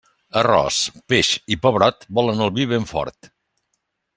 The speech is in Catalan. Arròs, peix i pebrot volen el vi ben fort.